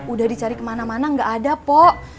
udah di cari kemana mana gak ada pok